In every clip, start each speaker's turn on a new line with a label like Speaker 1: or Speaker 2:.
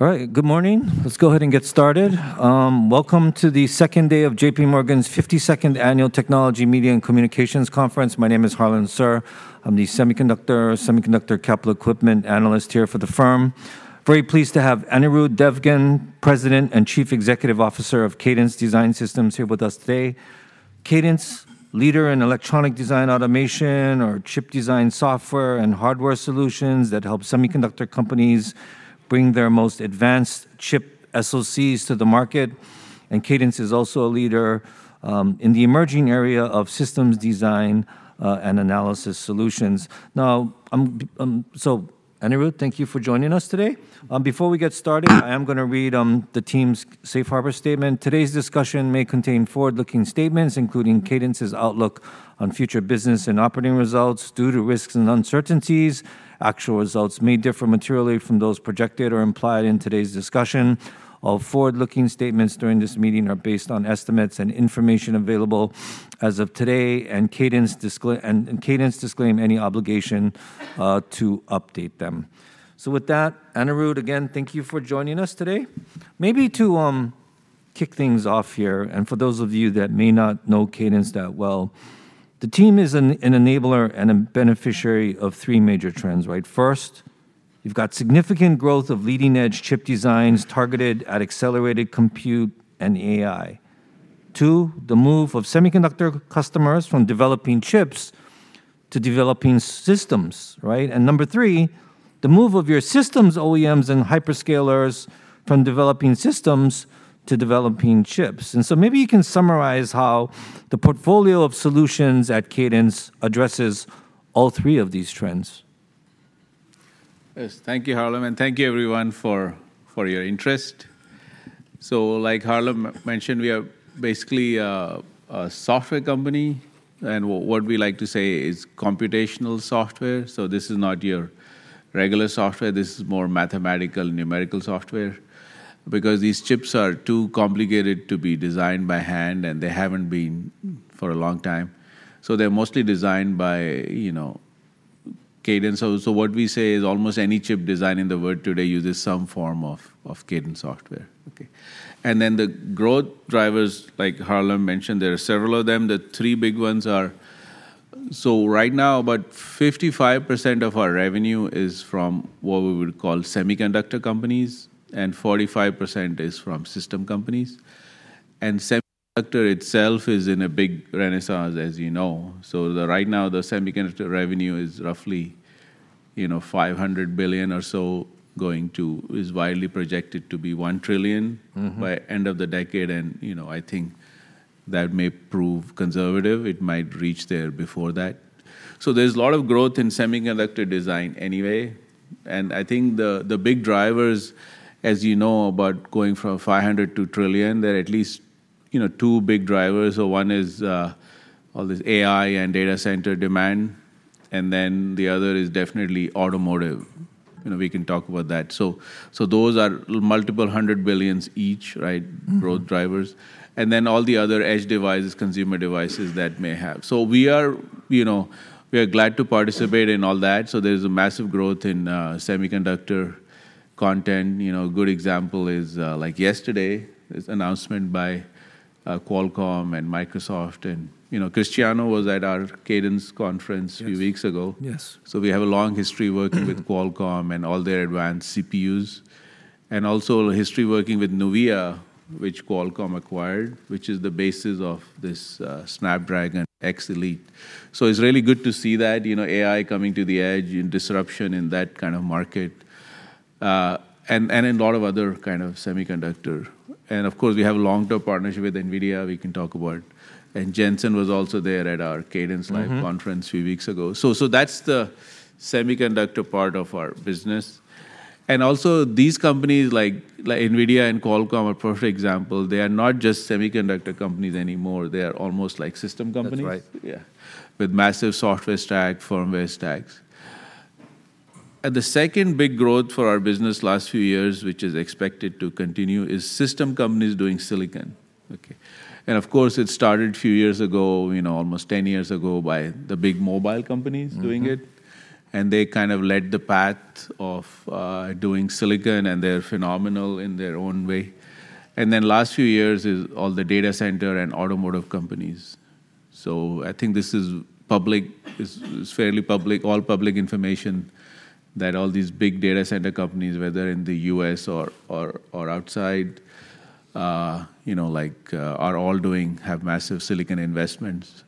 Speaker 1: All right, good morning. Let's go ahead and get started. Welcome to the second day of JPMorgan's 52nd Annual Technology, Media, and Communications Conference. My name is Harlan Sur. I'm the semiconductor capital equipment analyst here for the firm. Very pleased to have Anirudh Devgan, President and Chief Executive Officer of Cadence Design Systems, here with us today. Cadence, leader in electronic design automation or chip design software and hardware solutions that help semiconductor companies bring their most advanced chip SoCs to the market, and Cadence is also a leader in the emerging area of systems design and analysis solutions. Now, so Anirudh, thank you for joining us today. Before we get started, I am gonna read the team's safe harbor statement. Today's discussion may contain forward-looking statements, including Cadence's outlook on future business and operating results. Due to risks and uncertainties, actual results may differ materially from those projected or implied in today's discussion. All forward-looking statements during this meeting are based on estimates and information available as of today, and Cadence disclaims any obligation to update them. So with that, Anirudh, again, thank you for joining us today. Maybe to kick things off here, and for those of you that may not know Cadence that well, the team is an enabler and a beneficiary of three major trends, right? First, you've got significant growth of leading-edge chip designs targeted at accelerated compute and AI. Two, the move of semiconductor customers from developing chips to developing systems, right? And number three, the move of your systems OEMs and hyperscalers from developing systems to developing chips. Maybe you can summarize how the portfolio of solutions at Cadence addresses all three of these trends?
Speaker 2: Yes. Thank you, Harlan, and thank you everyone for your interest. So, like Harlan mentioned, we are basically a software company, and what we like to say is computational software. So this is not your regular software. This is more mathematical, numerical software. Because these chips are too complicated to be designed by hand, and they haven't been for a long time. So they're mostly designed by, you know, Cadence. So what we say is almost any chip design in the world today uses some form of Cadence software. Okay. And then the growth drivers, like Harlan mentioned, there are several of them. The three big ones are. So right now, about 55% of our revenue is from what we would call semiconductor companies, and 45% is from system companies. And semiconductor itself is in a big renaissance, as you know. So, right now, the semiconductor revenue is roughly, you know, $500 billion or so, going to, is widely projected to be $1 trillion-
Speaker 1: Mm-hmm...
Speaker 2: by end of the decade, and, you know, I think that may prove conservative. It might reach there before that. So there's a lot of growth in semiconductor design anyway, and I think the, the big drivers, as you know, about going from $500 billion to $1 trillion, there are at least, you know, two big drivers. So one is, all this AI and data center demand, and then the other is definitely automotive. You know, we can talk about that. So, so those are multiple hundred billions each, right? Growth drivers, and then all the other edge devices, consumer devices that may have. So we are, you know, we are glad to participate in all that, so there's a massive growth in, semiconductor content. You know, a good example is, like yesterday, this announcement by, Qualcomm and Microsoft, and, you know, Cristiano was at our Cadence conference a few weeks ago.
Speaker 1: Yes.
Speaker 2: So we have a long history working with Qualcomm and all their advanced CPUs, and also a history working with Nuvia, which Qualcomm acquired, which is the basis of this, Snapdragon X Elite. So it's really good to see that, you know, AI coming to the edge and disruption in that kind of market, and in a lot of other kind of semiconductor. And, of course, we have a long-term partnership with NVIDIA we can talk about, and Jensen was also there at our CadenceLIVE-
Speaker 1: Mm-hmm...
Speaker 2: conference a few weeks ago. So, that's the semiconductor part of our business, and also, these companies, like NVIDIA and Qualcomm, a perfect example, they are not just semiconductor companies anymore. They are almost like system companies.
Speaker 1: That's right.
Speaker 2: Yeah, with massive software stack, firmware stacks. And the second big growth for our business last few years, which is expected to continue, is system companies doing silicon. Okay, and of course, it started a few years ago, you know, almost 10 years ago, by the big mobile companies-
Speaker 1: Mm-hmm...
Speaker 2: doing it, and they kind of led the path of doing silicon, and they're phenomenal in their own way. And then last few years is all the data center and automotive companies. So I think this is public, this is fairly public, all public information, that all these big data center companies, whether in the U.S. or outside, you know, like, are all doing- have massive silicon investments.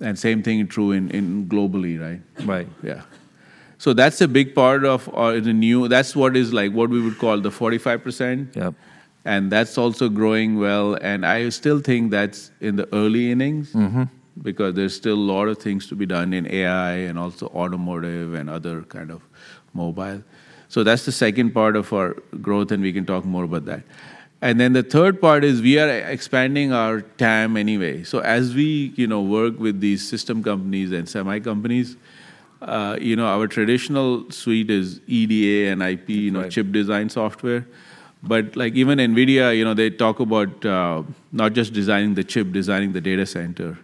Speaker 2: And same thing true in globally, right?
Speaker 1: Right.
Speaker 2: Yeah. So that's a big part of, that's what is, like, what we would call the 45%.
Speaker 1: Yep.
Speaker 2: That's also growing well, and I still think that's in the early innings-
Speaker 1: Mm-hmm...
Speaker 2: because there's still a lot of things to be done in AI and also automotive and other kind of mobile. So that's the second part of our growth, and we can talk more about that. And then the third part is we are expanding our TAM anyway. So as we, you know, work with these system companies and semi companies, you know, our traditional suite is EDA and IP-
Speaker 1: Right...
Speaker 2: you know, chip design software. But, like, even NVIDIA, you know, they talk about not just designing the chip, designing the data center...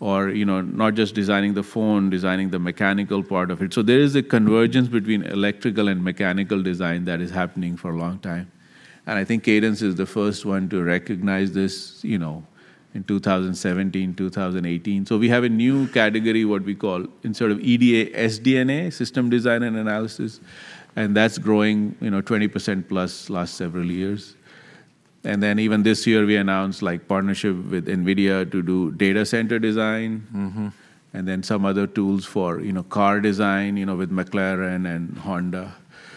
Speaker 2: or, you know, not just designing the phone, designing the mechanical part of it. So there is a convergence between electrical and mechanical design that is happening for a long time, and I think Cadence is the first one to recognize this, you know, in 2017, 2018. So we have a new category, what we call in sort of EDA, SDA, System Design and Analysis, and that's growing, you know, 20%+ last several years. And then even this year, we announced, like, partnership with NVIDIA to do data center design-
Speaker 1: Mm-hmm.
Speaker 2: and then some other tools for, you know, car design, you know, with McLaren and Honda.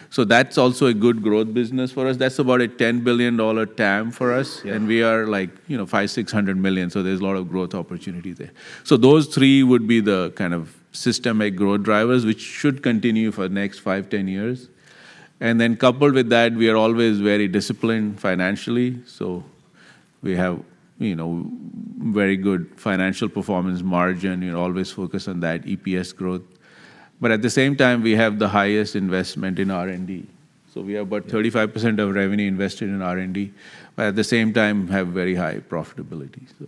Speaker 2: So that's also a good growth business for us. That's about a $10 billion TAM for us-
Speaker 1: Yeah...
Speaker 2: and we are, like, you know, $500 million-$600 million, so there's a lot of growth opportunity there. So those three would be the kind of systemic growth drivers, which should continue for the next five to 10 years. And then coupled with that, we are always very disciplined financially, so we have, you know, very good financial performance margin. We always focus on that EPS growth. But at the same time, we have the highest investment in R&D. So we have about 35% of revenue invested in R&D, but at the same time, have very high profitability, so.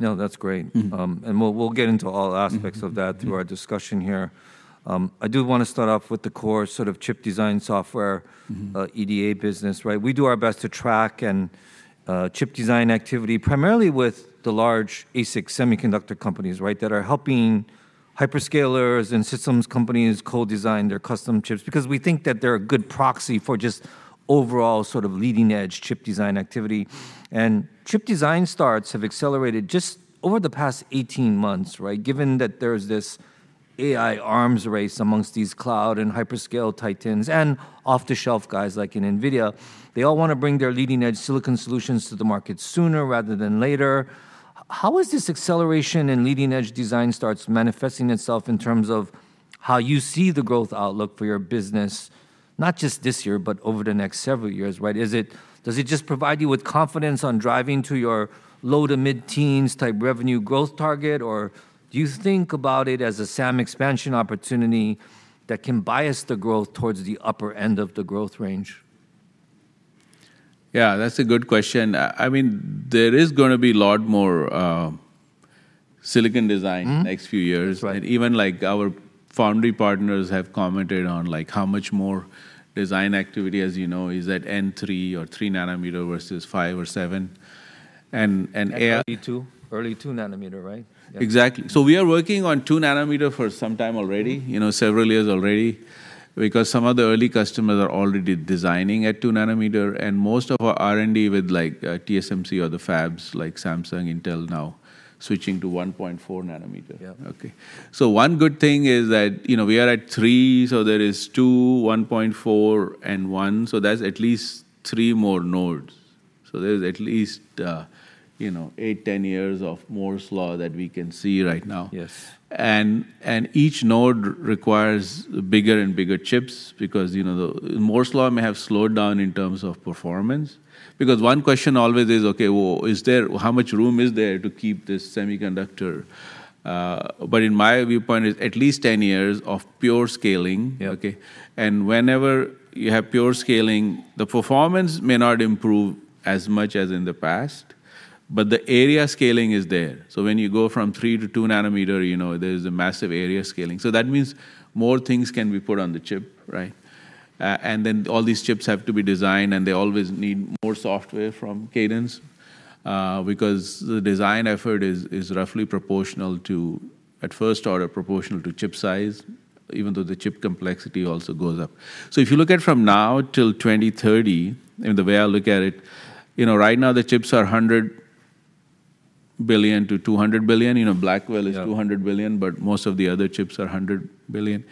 Speaker 1: No, that's great.
Speaker 2: Mm-hmm.
Speaker 1: And we'll get into all aspects-
Speaker 2: Mm-hmm...
Speaker 1: of that through our discussion here. I do wanna start off with the core sort of chip design software-
Speaker 2: Mm-hmm
Speaker 1: EDA business, right? We do our best to track and chip design activity, primarily with the large ASIC semiconductor companies, right, that are helping hyperscalers and systems companies co-design their custom chips, because we think that they're a good proxy for just overall sort of leading-edge chip design activity. And chip design starts have accelerated just over the past 18 months, right? Given that there's this AI arms race amongst these cloud and hyperscale titans and off-the-shelf guys like in NVIDIA, they all wanna bring their leading-edge silicon solutions to the market sooner rather than later. How is this acceleration in leading-edge design starts manifesting itself in terms of how you see the growth outlook for your business, not just this year, but over the next several years, right? Does it just provide you with confidence on driving to your low- to mid-teens type revenue growth target, or do you think about it as a SAM expansion opportunity that can bias the growth towards the upper end of the growth range?
Speaker 2: Yeah, that's a good question. I mean, there is gonna be a lot more silicon design-
Speaker 1: Mm-hmm...
Speaker 2: next few years, right? Even like our foundry partners have commented on, like, how much more design activity, as you know, is at N3 or 3 nm versus 5 nm or 7 nm. And AI-
Speaker 1: 2 nm, right?
Speaker 2: Exactly. So we are working on 2 nm for some time already, you know, several years already, because some of the early customers are already designing at 2 nm, and most of our R&D with, like, TSMC or the fabs, like Samsung, Intel now, switching to 1.4 nm.
Speaker 1: Yeah.
Speaker 2: Okay. So one good thing is that, you know, we are at 3 nm, so there is 2 nm, 1.4 nm, and 1 nm, so that's at least three more nodes. So there's at least, you know, eight to 10 years of Moore's Law that we can see right now.
Speaker 1: Yes.
Speaker 2: Each node requires bigger and bigger chips because, you know, the Moore's Law may have slowed down in terms of performance. Because one question always is, okay, well, how much room is there to keep this semiconductor? But in my viewpoint, it's at least 10 years of pure scaling.
Speaker 1: Yeah.
Speaker 2: Okay, and whenever you have pure scaling, the performance may not improve as much as in the past, but the area scaling is there. So when you go from 3 nm to 2 nm, you know, there's a massive area scaling. So that means more things can be put on the chip, right? And then all these chips have to be designed, and they always need more software from Cadence, because the design effort is roughly proportional to, at first order, proportional to chip size, even though the chip complexity also goes up. So if you look at from now till 2030, and the way I look at it, you know, right now, the chips are 100 billion-200 billion. You know, Blackwell have 200 billion, but most of the other chips are 100 billion.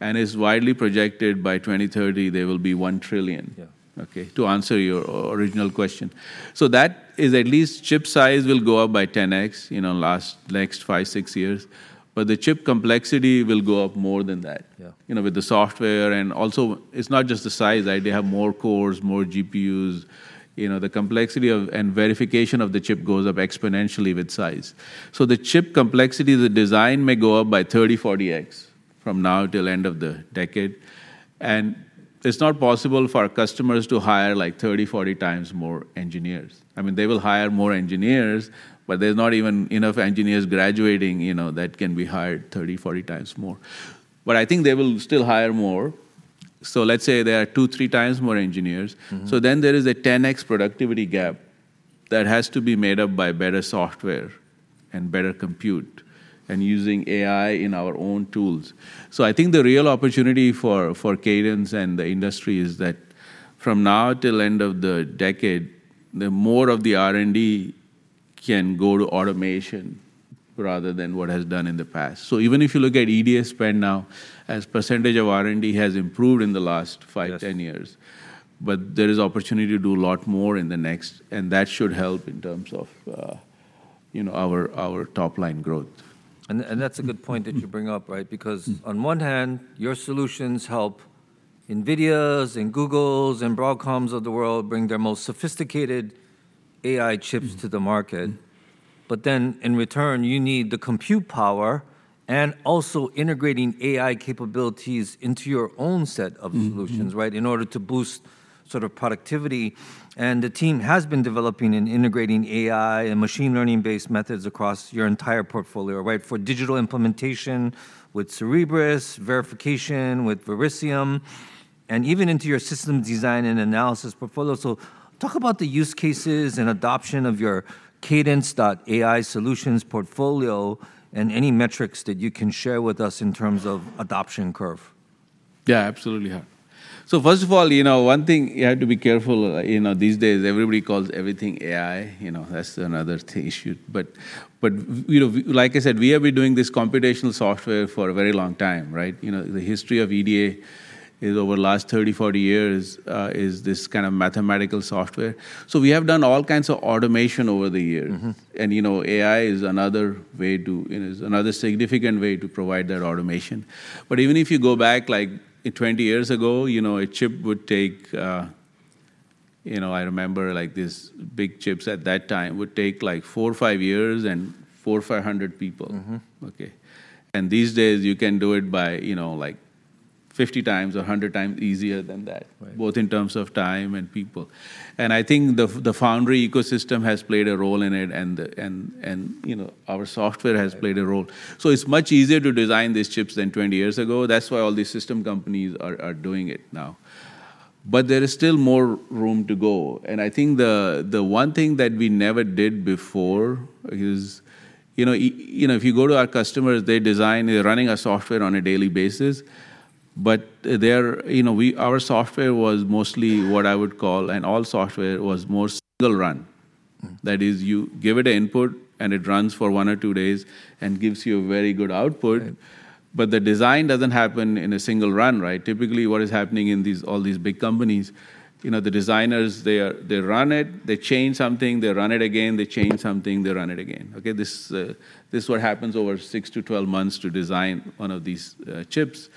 Speaker 2: And it's widely projected by 2030, they will be 1 trillion-
Speaker 1: Yeah...
Speaker 2: okay, to answer your original question. So that is at least chip size will go up by 10x, you know, next five, six years, but the chip complexity will go up more than that-
Speaker 1: Yeah...
Speaker 2: you know, with the software, and also, it's not just the size. They have more cores, more GPUs. You know, the complexity of and verification of the chip goes up exponentially with size. So the chip complexity, the design may go up by 30-40x from now till end of the decade, and it's not possible for our customers to hire, like, 30-40 times more engineers. I mean, they will hire more engineers, but there's not even enough engineers graduating, you know, that can be hired 30-40 times more. But I think they will still hire more. So let's say there are two to three times more engineers.
Speaker 1: Mm-hmm.
Speaker 2: So then there is a 10x productivity gap that has to be made up by better software and better compute, and using AI in our own tools. So I think the real opportunity for, for Cadence and the industry is that from now till end of the decade, the more of the R&D can go to automation, rather than what has done in the past. So even if you look at EDA spend now, as percentage of R&D has improved in the last five-
Speaker 1: Yes...
Speaker 2: 10 years, but there is opportunity to do a lot more in the next, and that should help in terms of, you know, our, our top-line growth.
Speaker 1: And that's a good point that you bring up, right? Because on one hand, your solutions help NVIDIA, and Googles, and Broadcoms of the world bring their most sophisticated AI chips to the market. But then, in return, you need the compute power-... and also integrating AI capabilities into your own set of solutions-
Speaker 2: Mm-hmm, mm-hmm.
Speaker 1: Right, in order to boost sort of productivity. The team has been developing and integrating AI and machine learning-based methods across your entire portfolio, right? For digital implementation with Cerebrus, verification with Vericium, and even into your system design and analysis portfolio. Talk about the use cases and adoption of your Cadence AI solutions portfolio, and any metrics that you can share with us in terms of adoption curve.
Speaker 2: Yeah, absolutely, yeah. So first of all, you know, one thing you have to be careful, you know, these days, everybody calls everything AI. You know, that's another issue. But, you know, like I said, we have been doing this computational software for a very long time, right? You know, the history of EDA is over the last 30, 40 years, is this kind of mathematical software. So we have done all kinds of automation over the years.
Speaker 1: Mm-hmm.
Speaker 2: You know, AI is another way to, is another significant way to provide that automation. But even if you go back, like, 20 years ago, you know, a chip would take. You know, I remember, like, these big chips at that time would take, like, four or five years and 400 or 500 people.
Speaker 1: Mm-hmm.
Speaker 2: Okay. These days, you can do it by, you know, like 50 times or 100 times easier than that...
Speaker 1: Right...
Speaker 2: both in terms of time and people. And I think the foundry ecosystem has played a role in it, and you know, our software has played a role. So it's much easier to design these chips than 20 years ago. That's why all these system companies are doing it now. But there is still more room to go, and I think the one thing that we never did before is, you know, if you go to our customers, they design, they're running our software on a daily basis. But, they're you know, we, our software was mostly what I would call, and all software, was more single run. That is, you give it an input, and it runs for one or two days and gives you a very good output.
Speaker 1: Right.
Speaker 2: But the design doesn't happen in a single run, right? Typically, what is happening in these, all these big companies, you know, the designers, they are, they run it, they change something, they run it again, they change something, they run it again. Okay, this is what happens over six to 12 months to design one of these chips.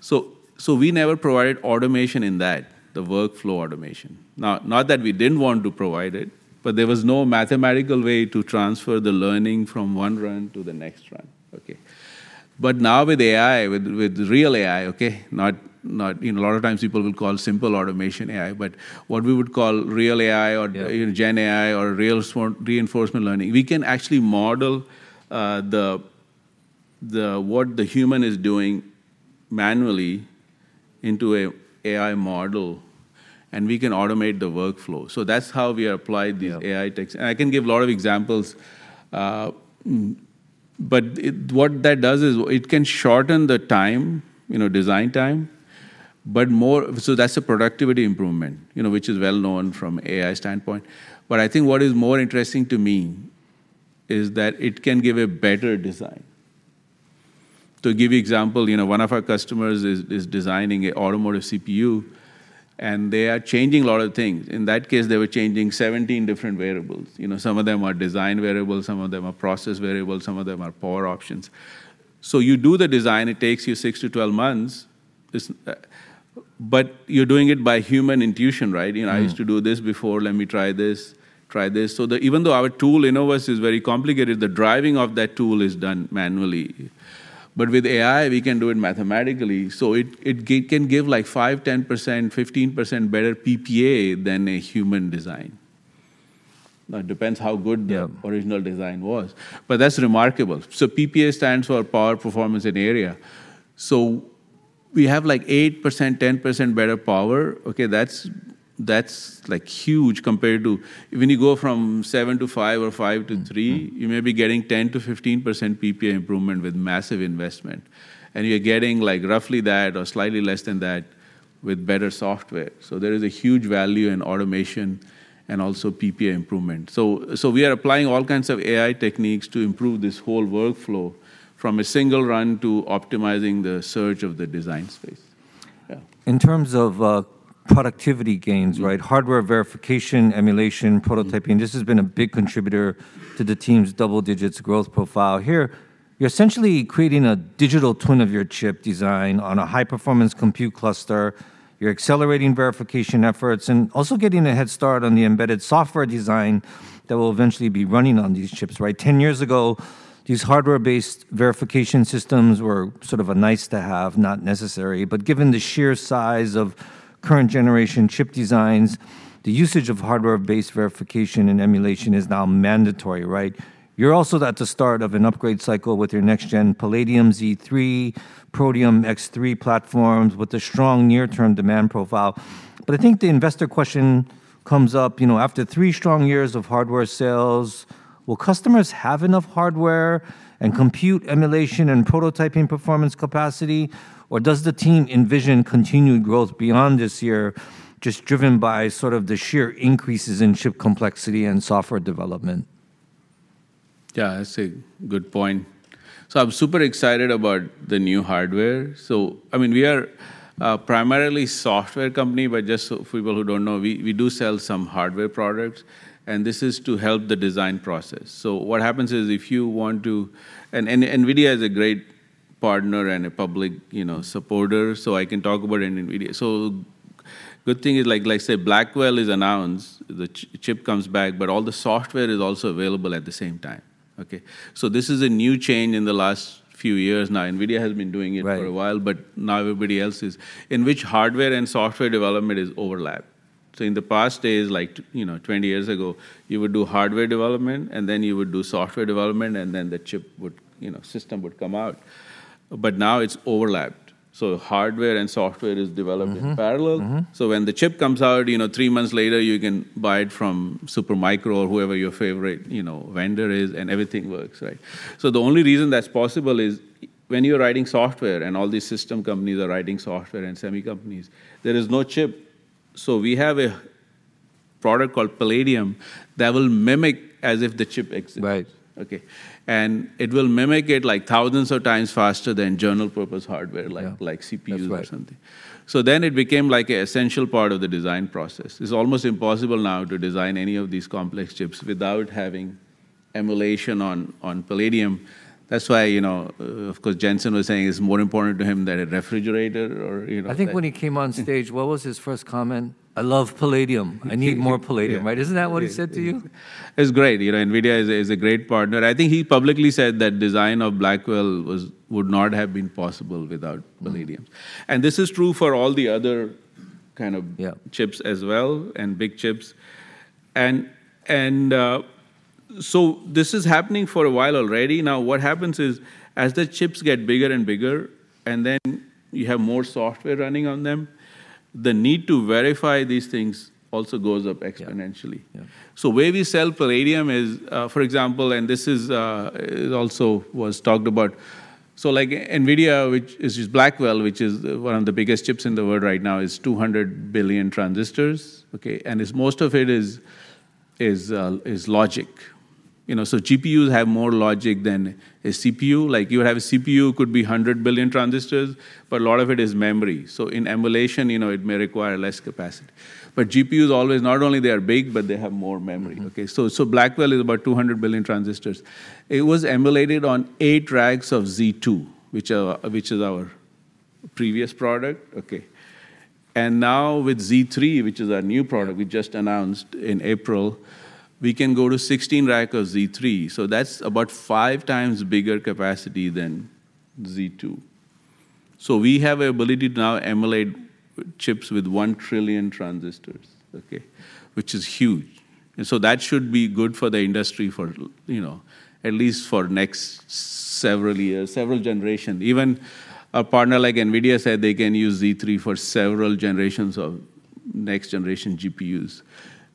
Speaker 2: So, so we never provided automation in that, the workflow automation. Not, not that we didn't want to provide it, but there was no mathematical way to transfer the learning from one run to the next run. Okay. But now with AI, with real AI, okay, not, not- you know, a lot of times people will call simple automation AI, but what we would call real AI or-... you know, gen AI or real-world reinforcement learning, we can actually model what the human is doing manually into an AI model, and we can automate the workflow. So that's how we have applied these-
Speaker 1: Yeah...
Speaker 2: AI techs. And I can give a lot of examples, but it, what that does is it can shorten the time, you know, design time, but more so that's a productivity improvement, you know, which is well known from AI standpoint. But I think what is more interesting to me is that it can give a better design. To give you example, you know, one of our customers is designing a automotive CPU, and they are changing a lot of things. In that case, they were changing 17 different variables. You know, some of them are design variables, some of them are process variables, some of them are power options. So you do the design, it takes you six to 12 months, but you're doing it by human intuition, right?
Speaker 1: Mm.
Speaker 2: You know, "I used to do this before. Let me try this, try this." So even though our tool, Innovus, is very complicated, the driving of that tool is done manually. But with AI, we can do it mathematically, so it can give, like, 5%, 10%, 15% better PPA than a human design. Depends how good the original design was, but that's remarkable. So PPA stands for power, performance, and area. So we have, like, 8%, 10% better power. Okay, that's, that's like huge compared to when you go from 7% to 5% or 5% to 3%, you may be getting 10%-15% PPA improvement with massive investment, and you're getting, like, roughly that or slightly less than that with better software. So there is a huge value in automation and also PPA improvement. So, so we are applying all kinds of AI techniques to improve this whole workflow from a single run to optimizing the search of the design space. Yeah.
Speaker 1: In terms of productivity gains right, hardware verification, emulation, prototyping, this has been a big contributor to the team's double-digits growth profile. Here, you're essentially creating a digital twin of your chip design on a high-performance compute cluster. You're accelerating verification efforts and also getting a head start on the embedded software design that will eventually be running on these chips, right? 10 years ago, these hardware-based verification systems were sort of a nice-to-have, not necessary, but given the sheer size of current-generation chip designs, the usage of hardware-based verification and emulation is now mandatory, right? You're also at the start of an upgrade cycle with your next-gen Palladium Z3, Protium X3 platforms, with a strong near-term demand profile. But I think the investor question comes up, you know, after three strong years of hardware sales, will customers have enough hardware and compute, emulation, and prototyping performance capacity, or does the team envision continued growth beyond this year, just driven by sort of the sheer increases in chip complexity and software development?
Speaker 2: Yeah, that's a good point. So I'm super excited about the new hardware. So I mean, we are a primarily software company, but just so for people who don't know, we do sell some hardware products, and this is to help the design process. So what happens is, NVIDIA is a great partner and a public, you know, supporter, so I can talk about NVIDIA. Good thing is like I say, Blackwell is announced, the chip comes back, but all the software is also available at the same time. Okay? So this is a new change in the last few years now. NVIDIA has been doing it-
Speaker 1: Right
Speaker 2: for a while, but now everybody else is, in which hardware and software development is overlapped. So in the past days, like you know, 20 years ago, you would do hardware development, and then you would do software development, and then the chip would, you know, system would come out. But now it's overlapped, so hardware and software is developed-
Speaker 1: Mm-hmm
Speaker 2: -in parallel.
Speaker 1: Mm-hmm.
Speaker 2: So when the chip comes out, you know, three months later, you can buy it from Supermicro or whoever your favorite, you know, vendor is, and everything works, right? So the only reason that's possible is when you're writing software, and all these system companies are writing software, and semi companies, there is no chip. So we have a product called Palladium that will mimic as if the chip exists.
Speaker 1: Right.
Speaker 2: Okay, it will mimic it, like, thousands of times faster than general purpose hardware-
Speaker 1: Yeah...
Speaker 2: like CPUs-
Speaker 1: That's right
Speaker 2: -or something. So then it became like an essential part of the design process. It's almost impossible now to design any of these complex chips without having emulation on Palladium. That's why, you know, of course, Jensen was saying it's more important to him than a refrigerator or, you know-
Speaker 1: I think when he came on stage, what was his first comment? "I love Palladium. I need more Palladium."
Speaker 2: Yeah.
Speaker 1: Right, isn't that what he said to you?
Speaker 2: It's great, you know, NVIDIA is a, is a great partner. I think he publicly said that design of Blackwell was, would not have been possible without Palladium. And this is true for all the other kind of-
Speaker 1: Yeah...
Speaker 2: chips as well, and big chips. So this is happening for a while already. Now, what happens is, as the chips get bigger and bigger, and then you have more software running on them, the need to verify these things also goes up exponentially.
Speaker 1: Yeah.
Speaker 2: So where we sell Palladium is, for example, and this is, it also was talked about, so, like, NVIDIA, which is Blackwell, which is one of the biggest chips in the world right now, is 200 billion transistors, okay? And it's most of it is logic. You know, so GPUs have more logic than a CPU. Like, you have a CPU, could be 100 billion transistors, but a lot of it is memory. So in emulation, you know, it may require less capacity. But GPUs always, not only they are big, but they have more memory.
Speaker 1: Mm.
Speaker 2: Okay, so, so Blackwell is about 200 billion transistors. It was emulated on eight racks of Z2, which is our previous product. Okay, and now with Z3, which is our new product we just announced in April, we can go to 16 rack of Z3, so that's about 5 times bigger capacity than Z2. So we have the ability to now emulate chips with one trillion transistors, okay? Which is huge, and so that should be good for the industry for, you know, at least for next several years, several generations. Even a partner like NVIDIA said they can use Z3 for several generations of next generation GPUs,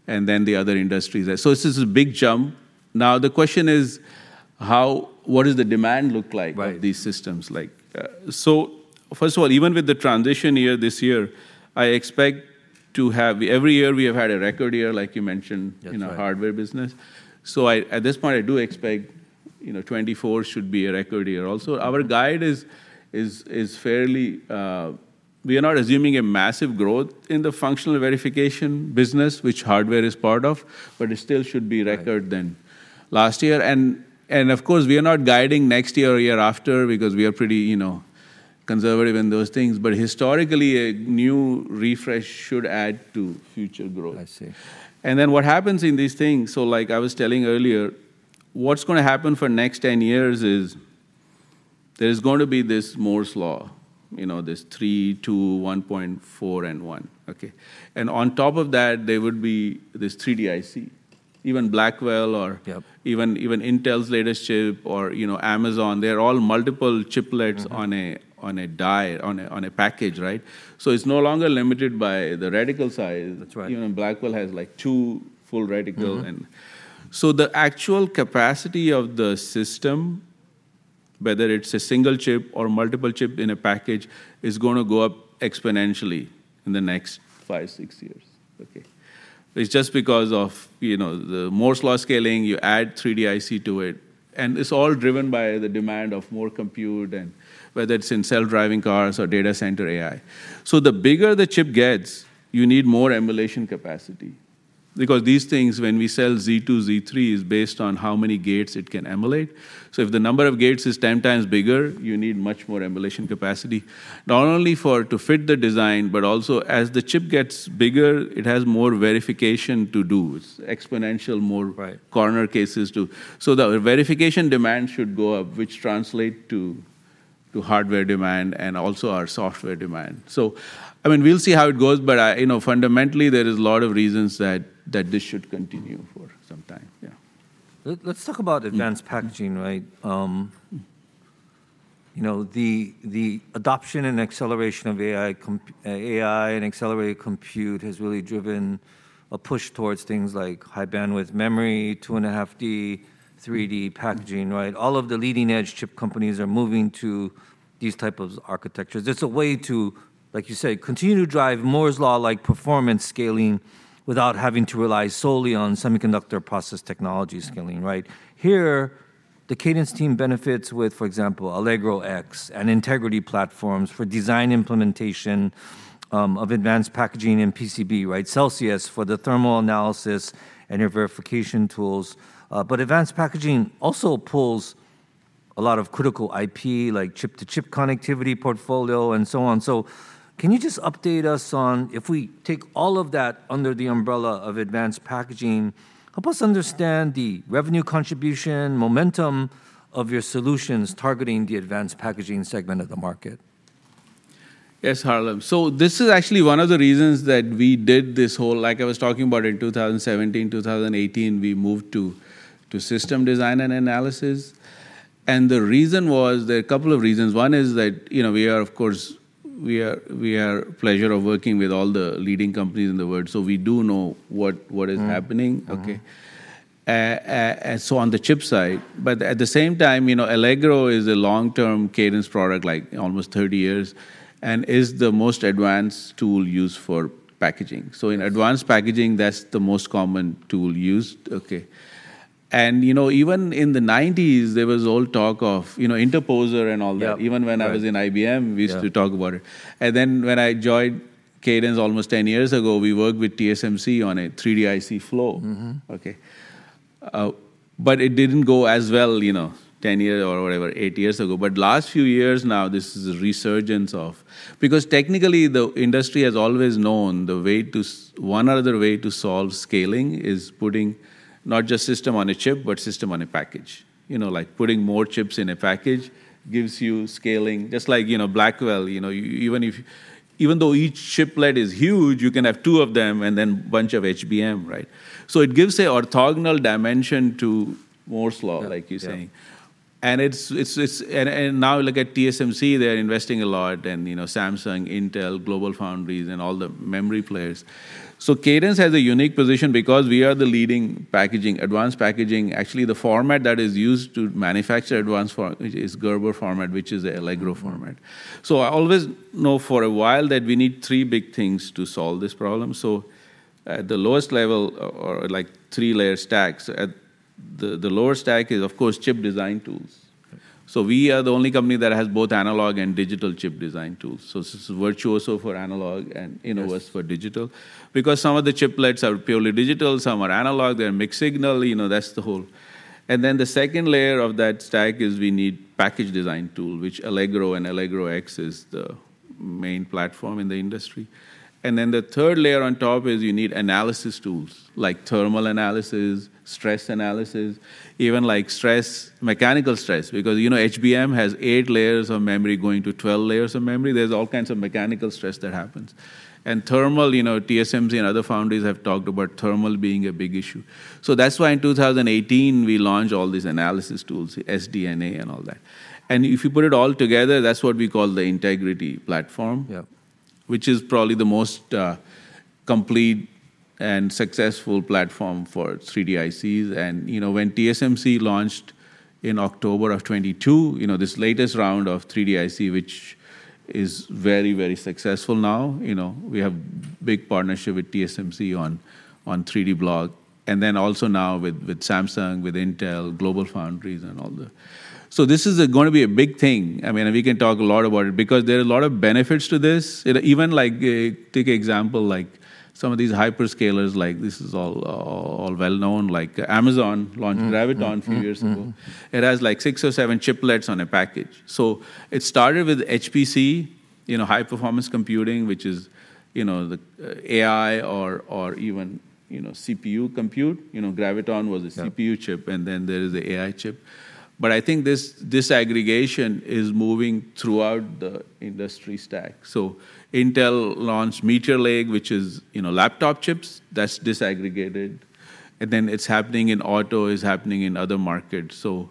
Speaker 2: and then the other industries. So this is a big jump. Now, the question is, how—what does the demand look like-
Speaker 1: Right...
Speaker 2: these systems like? So first of all, even with the transition year, this year, I expect to have every year we have had a record year, like you mentioned-
Speaker 1: That's right...
Speaker 2: in our hardware business. So I, at this point, I do expect, you know, 2024 should be a record year also. Our guide is fairly, we are not assuming a massive growth in the functional verification business, which hardware is part of, but it still should be record than-
Speaker 1: Right...
Speaker 2: last year. And of course, we are not guiding next year or year after because we are pretty, you know, conservative in those things. But historically, a new refresh should add to future growth.
Speaker 1: I see.
Speaker 2: And then what happens in these things, so like I was telling earlier, what's gonna happen for next 10 years is, there's going to be this Moore's Law, you know, this 3 nm to 1.4 nm and 1 nm. Okay, and on top of that, there would be this 3D-IC. Even Blackwell or-
Speaker 1: Yep...
Speaker 2: even Intel's latest chip or, you know, Amazon, they're all multiple chiplets on a die, on a package, right? So it's no longer limited by the reticle size.
Speaker 1: That's right.
Speaker 2: Even Blackwell has, like, two full reticle.
Speaker 1: Mm-hmm.
Speaker 2: And so the actual capacity of the system, whether it's a single chip or multiple chip in a package, is gonna go up exponentially in the next five, six years. Okay. It's just because of, you know, the Moore's Law scaling, you add 3D-IC to it, and it's all driven by the demand of more compute and whether it's in self-driving cars or data center AI. So the bigger the chip gets, you need more emulation capacity. Because these things, when we sell Z2, Z3, is based on how many gates it can emulate. So if the number of gates is 10 times bigger, you need much more emulation capacity, not only for it to fit the design, but also as the chip gets bigger, it has more verification to do, exponential more-
Speaker 1: Right...
Speaker 2: corner cases to. So the verification demand should go up, which translates to hardware demand and also our software demand. So I mean, we'll see how it goes, but you know, fundamentally, there is a lot of reasons that this should continue for some time. Yeah.
Speaker 1: Let's talk about advanced packaging, right? You know, the adoption and acceleration of AI and accelerated compute has really driven a push towards things like high-bandwidth memory, 2.5D, 3D packaging, right? All of the leading-edge chip companies are moving to these type of architectures. It's a way to, like you say, continue to drive Moore's Law-like performance scaling without having to rely solely on semiconductor process technology scaling, right? Here, the Cadence team benefits with, for example, Allegro X and Integrity platforms for design implementation of advanced packaging and PCB, right? Celsius for the thermal analysis and your verification tools. But advanced packaging also pulls a lot of critical IP, like chip-to-chip connectivity portfolio, and so on. So can you just update us on, if we take all of that under the umbrella of advanced packaging, help us understand the revenue contribution, momentum of your solutions targeting the advanced packaging segment of the market?
Speaker 2: Yes, Harlan. So this is actually one of the reasons that we did this whole, like I was talking about in 2017, 2018, we moved to system design and analysis. And the reason was, there are a couple of reasons. One is that, you know, of course, we have the pleasure of working with all the leading companies in the world, so we do know what is happening.
Speaker 1: Mm-hmm. Mm-hmm.
Speaker 2: Okay. And so on the chip side, but at the same time, you know, Allegro is a long-term Cadence product, like almost 30 years, and is the most advanced tool used for packaging. So in advanced packaging, that's the most common tool used. Okay. And, you know, even in the 1990s, there was all talk of, you know, interposer and all that.
Speaker 1: Yeah, right.
Speaker 2: Even when I was in IBM we used to talk about it. Then when I joined Cadence almost 10 years ago, we worked with TSMC on a 3D-IC flow.
Speaker 1: Mm-hmm.
Speaker 2: Okay. But it didn't go as well, you know, 10 years or whatever, eight years ago. But last few years now, this is a resurgence of, because technically, the industry has always known the way to one other way to solve scaling is putting not just system on a chip, but system on a package. You know, like, putting more chips in a package gives you scaling, just like, you know, Blackwell, you know, even if, even though each chiplet is huge, you can have two of them and then bunch of HBM, right? So it gives an orthogonal dimension to Moore's Law, like you're saying.
Speaker 1: Yeah.
Speaker 2: And now look at TSMC, they're investing a lot, and, you know, Samsung, Intel, GlobalFoundries, and all the memory players. So Cadence has a unique position because we are the leading packaging, advanced packaging. Actually, the format that is used to manufacture advanced format is Gerber format, which is a Allegro format. So I always know for a while that we need three big things to solve this problem. So, at the lowest level, or like three-layer stacks, at the lowest stack is, of course, chip design tools. So we are the only company that has both analog and digital chip design tools. So this is Virtuoso for analog, and Innovus-
Speaker 1: Yes...
Speaker 2: for digital. Because some of the chiplets are purely digital, some are analog, they're mixed signal, you know, that's the whole... And then the second layer of that stack is we need package design tool, which Allegro and Allegro X is the main platform in the industry. And then the third layer on top is you need analysis tools, like thermal analysis, stress analysis, even like stress, mechanical stress, because, you know, HBM has eight layers of memory going to 12 layers of memory. There's all kinds of mechanical stress that happens. And thermal, you know, TSMC and other foundries have talked about thermal being a big issue. So that's why in 2018, we launched all these analysis tools, SD&A and all that. And if you put it all together, that's what we call the Integrity platform-
Speaker 1: Yeah ...
Speaker 2: which is probably the most complete and successful platform for 3D-ICs. And, you know, when TSMC launched in October of 2022, you know, this latest round of 3D-IC, which is very, very successful now, you know, we have big partnership with TSMC on, on 3Dblox, and then also now with, with Samsung, with Intel, GlobalFoundries, and all the... So this is gonna be a big thing. I mean, and we can talk a lot about it because there are a lot of benefits to this. You know, even like, take example, like some of these hyperscalers, like this is all, all, all well known, like Amazon launched-
Speaker 1: Mm-hmm, mm-hmm, mm-hmm...
Speaker 2: Graviton a few years ago. It has like six or seven chiplets on a package. So it started with HPC, you know, high-performance computing, which is, you know, the AI or even, you know, CPU compute. You know, Graviton was a CPU chip, and then there is the AI chip. But I think this disaggregation is moving throughout the industry stack. So Intel launched Meteor Lake, which is, you know, laptop chips. That's disaggregated. And then it's happening in auto, it's happening in other markets. So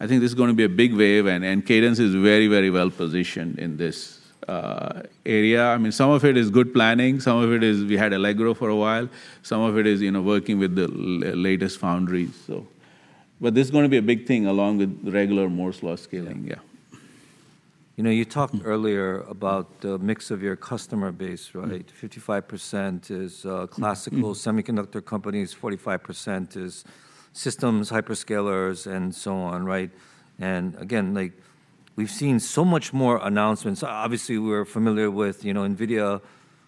Speaker 2: I think this is gonna be a big wave, and Cadence is very, very well positioned in this area. I mean, some of it is good planning, some of it is we had Allegro for a while, some of it is, you know, working with the latest foundries, so... But this is gonna be a big thing along with regular Moore's Law scaling.
Speaker 1: Yeah. You know, you talked earlier about the mix of your customer base, right? 55% is classical semiconductor companies, 45% is systems, hyperscalers, and so on, right? And again, like, we've seen so much more announcements. Obviously, we're familiar with, you know, NVIDIA,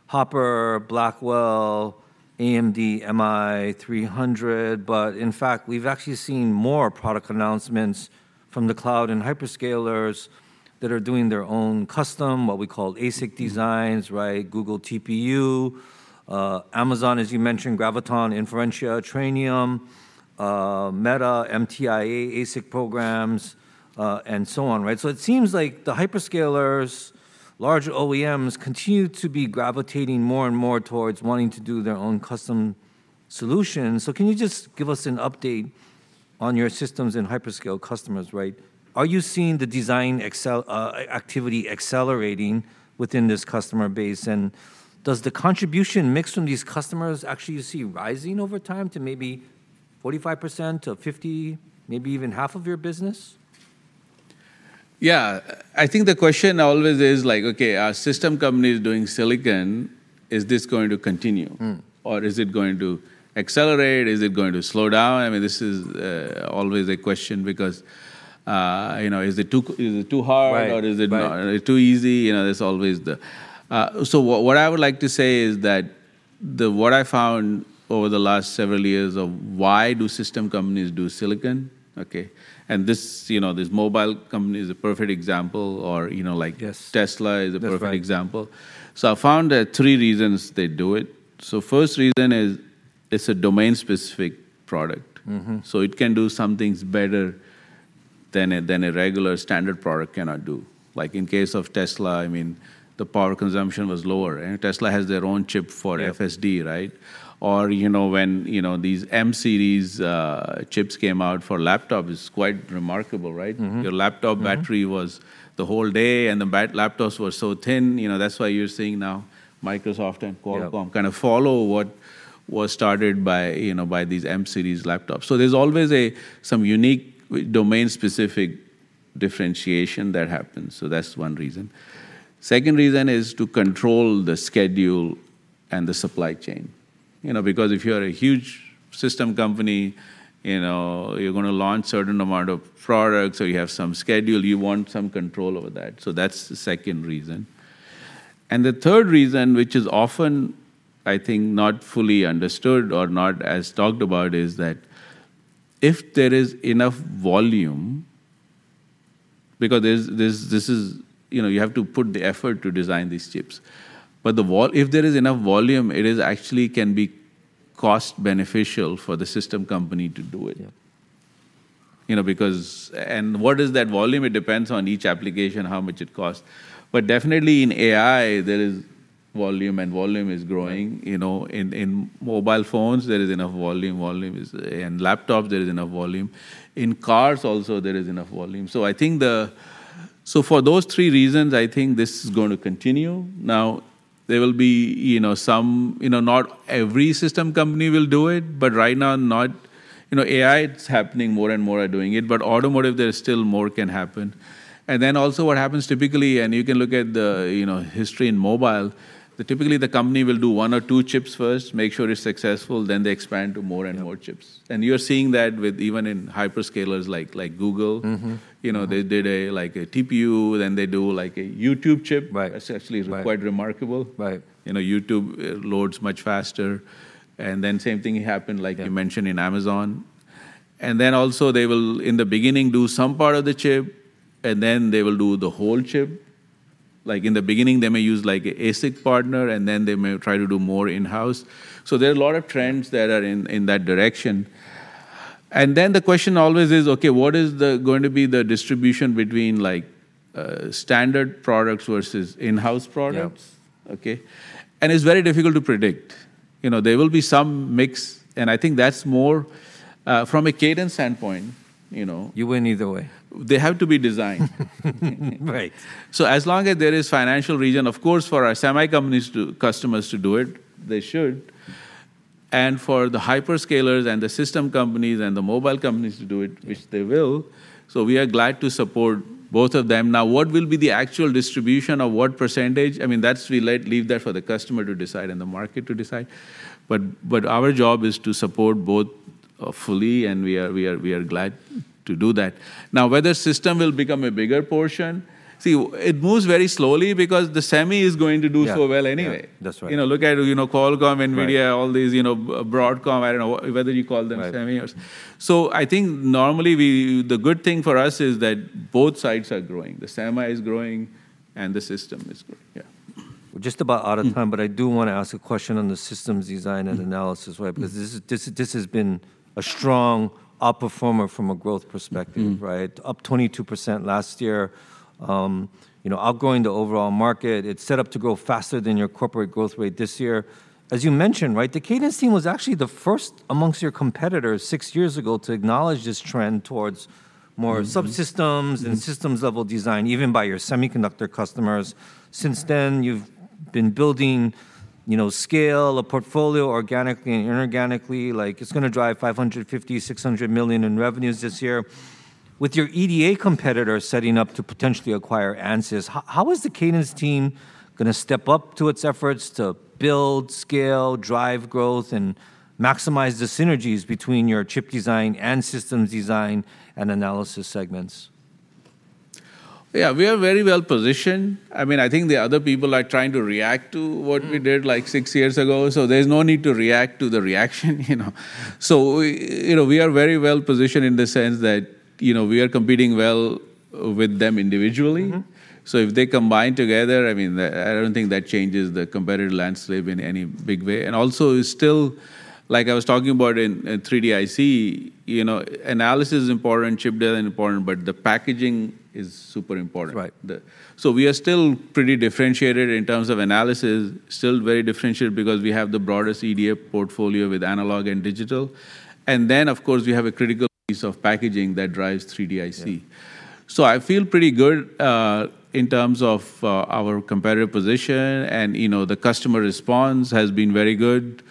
Speaker 1: Hopper, Blackwell, AMD MI300, but in fact, we've actually seen more product announcements from the cloud and hyperscalers that are doing their own custom, what we call ASIC designs right? Google TPU, Amazon, as you mentioned, Graviton, Inferentia, Trainium, Meta, MTIA, ASIC programs, and so on, right? So it seems like the hyperscalers, large OEMs, continue to be gravitating more and more towards wanting to do their own custom solutions. So can you just give us an update on your systems and hyperscale customers, right? Are you seeing the design activity accelerating within this customer base, and does the contribution mix from these customers actually you see rising over time to maybe 45%-50%, maybe even half of your business?
Speaker 2: Yeah. I think the question always is like, okay, are system companies doing silicon, is this going to continue?
Speaker 1: Mm.
Speaker 2: Or is it going to accelerate? Is it going to slow down? I mean, this is always a question because, you know, is it too hard-
Speaker 1: Right...
Speaker 2: or is it not, is it too easy? You know, there's always the... So what I would like to say is that... the, what I found over the last several years of why do system companies do silicon, okay? And this, you know, this mobile company is a perfect example, or, you know, like-
Speaker 1: Yes...
Speaker 2: Tesla is a perfect example. So, I found that three reasons they do it. So, first reason is, it's a domain-specific product.
Speaker 1: Mm-hmm.
Speaker 2: So it can do some things better than a regular standard product cannot do. Like in case of Tesla, I mean, the power consumption was lower, and Tesla has their own chip for FSD, right? Or, you know, when, you know, these M-series chips came out for laptop, it's quite remarkable, right?
Speaker 1: Mm-hmm.
Speaker 2: Your laptop battery was the whole day, and the laptops were so thin. You know, that's why you're seeing now Microsoft and Qualcomm-
Speaker 1: Yeah...
Speaker 2: kind of follow what was started by, you know, by these M-series laptops. So there's always some unique domain-specific differentiation that happens, so that's one reason. Second reason is to control the schedule and the supply chain. You know, because if you're a huge system company, you know, you're gonna launch certain amount of products, or you have some schedule, you want some control over that, so that's the second reason. And the third reason, which is often, I think, not fully understood or not as talked about, is that if there is enough volume, because there's this, this is, you know, you have to put the effort to design these chips, but if there is enough volume, it is actually can be cost-beneficial for the system company to do it.
Speaker 1: Yeah.
Speaker 2: You know, because and what is that volume? It depends on each application, how much it costs. But definitely in AI, there is volume, and volume is growing. You know, in mobile phones, there is enough volume. Volume is in laptops, there is enough volume. In cars also, there is enough volume. So I think, so for those three reasons, I think this is going to continue. Now, there will be, you know, some, you know, not every system company will do it, but right now, not... You know, AI, it's happening, more and more are doing it, but automotive, there is still more can happen. And then also what happens typically, and you can look at the, you know, history in mobile, that typically the company will do one or two chips first, make sure it's successful, then they expand to more and more chips. You're seeing that with even in hyperscalers like, like Google.
Speaker 1: Mm-hmm.
Speaker 2: You know, they did, like, a TPU, then they do like a YouTube chip-
Speaker 1: Right...
Speaker 2: essentially, it's quite remarkable.
Speaker 1: Right.
Speaker 2: You know, YouTube loads much faster, and then same thing happened, like you mentioned in Amazon. And then also, they will, in the beginning, do some part of the chip, and then they will do the whole chip. Like, in the beginning, they may use, like, a ASIC partner, and then they may try to do more in-house. So there are a lot of trends that are in that direction. And then the question always is: Okay, what is going to be the distribution between, like, standard products versus in-house products?
Speaker 1: Yeah.
Speaker 2: Okay, and it's very difficult to predict. You know, there will be some mix, and I think that’s more from a Cadence standpoint, you know.
Speaker 1: You win either way.
Speaker 2: They have to be designed.
Speaker 1: Right.
Speaker 2: So as long as there is financial reason, of course, for our semi companies to, customers to do it, they should, and for the hyperscalers, and the system companies, and the mobile companies to do it, which they will, so we are glad to support both of them. Now, what will be the actual distribution or what percentage? I mean, that's we leave that for the customer to decide and the market to decide. But our job is to support both fully, and we are glad to do that. Now, whether system will become a bigger portion, see, it moves very slowly because the semi is going to do so well anyway.
Speaker 1: Yeah. Yeah, that's right.
Speaker 2: You know, look at, you know, Qualcomm, NVIDIA-
Speaker 1: Right...
Speaker 2: all these, you know, Broadcom, I don't know what, whether you call them semi or-
Speaker 1: Right.
Speaker 2: I think normally we, the good thing for us is that both sides are growing. The semi is growing, and the system is growing. Yeah.
Speaker 1: We're just about out of time but I do want to ask a question on the systems design and analysis way, because this has been a strong outperformer from a growth perspective. Right? Up 22% last year. You know, outgrowing the overall market, it's set up to grow faster than your corporate growth rate this year. As you mentioned, right, the Cadence team was actually the first amongst your competitors six years ago to acknowledge this trend towards more subsystems and systems-level design, even by your semiconductor customers. Since then, you've been building, you know, scale, a portfolio, organically and inorganically. Like, it's gonna drive $550 million-$600 million in revenues this year. With your EDA competitor setting up to potentially acquire Ansys, how, how is the Cadence team gonna step up to its efforts to build, scale, drive growth, and maximize the synergies between your chip design and systems design and analysis segments?
Speaker 2: Yeah, we are very well-positioned. I mean, I think the other people are trying to react to what we did like, six years ago, so there's no need to react to the reaction, you know? So we, you know, we are very well-positioned in the sense that, you know, we are competing well with them individually.
Speaker 1: Mm-hmm.
Speaker 2: So if they combine together, I mean, I don't think that changes the competitive landscape in any big way. And also, it's still, like I was talking about in 3D-IC, you know, analysis is important, chip design important, but the packaging is super important.
Speaker 1: Right.
Speaker 2: So we are still pretty differentiated in terms of analysis, still very differentiated because we have the broadest EDA portfolio with analog and digital. Then, of course, we have a critical piece of packaging that drives 3D-IC.
Speaker 1: Yeah.
Speaker 2: I feel pretty good in terms of our competitive position, and, you know, the customer response has been very good.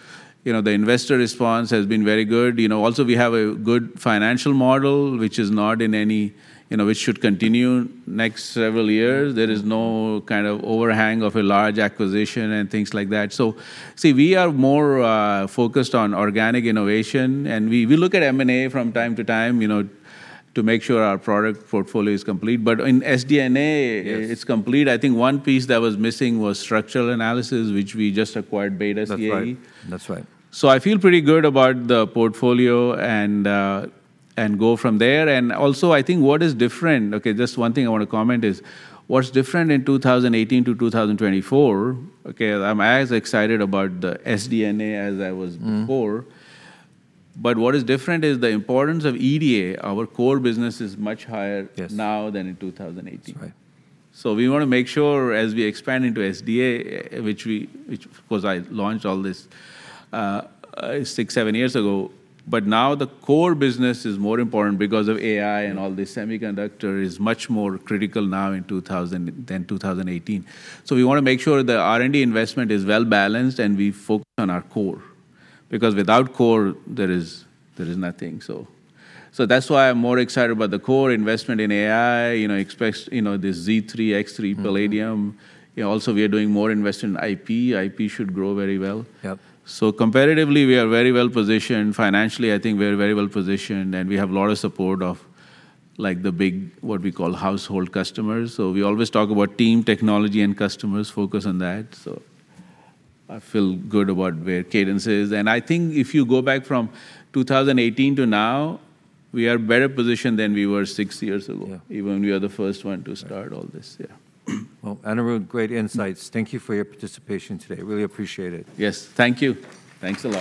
Speaker 2: You know, the investor response has been very good. You know, also, we have a good financial model, which is not in any, you know, which should continue next several years. There is no kind of overhang of a large acquisition and things like that. So, see, we are more, focused on organic innovation, and we, we look at M&A from time to time, you know, to make sure our product portfolio is complete. But in SD&A it's complete. I think one piece that was missing was structural analysis, which we just acquired BETA CAE.
Speaker 1: That's right, that's right.
Speaker 2: So I feel pretty good about the portfolio and, and go from there. And also, I think what is different... Okay, just one thing I want to comment is, what's different in 2018 to 2024, okay, I'm as excited about the SD&A as I was before-
Speaker 1: Mm...
Speaker 2: but what is different is the importance of EDA, our core business, is much higher-
Speaker 1: Yes...
Speaker 2: now than in 2018.
Speaker 1: That's right.
Speaker 2: So we want to make sure as we expand into SDA, which of course I launched all this six or seven years ago, but now the core business is more important because of AI and all this semiconductor is much more critical now in 2024 than 2018. So we want to make sure the R&D investment is well-balanced, and we focus on our core. Because without core, there is nothing. So that's why I'm more excited about the core investment in AI, you know, especially, you know, the Z3, X3 Palladium. You know, also, we are doing more investment in IP. IP should grow very well.
Speaker 1: Yep.
Speaker 2: So competitively, we are very well-positioned. Financially, I think we are very well-positioned, and we have a lot of support of, like, the big, what we call household customers. So we always talk about team, technology, and customers, focus on that. So I feel good about where Cadence is. And I think if you go back from 2018 to now, we are better positioned than we were six years ago-
Speaker 1: Yeah...
Speaker 2: even we are the first one to start all this. Yeah.
Speaker 1: Well, Anirudh, great insights. Thank you for your participation today. Really appreciate it.
Speaker 2: Yes, thank you. Thanks a lot.